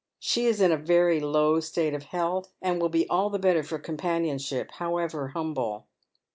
She is in a very low state of health, and will be all the Detter for companionship, however humble."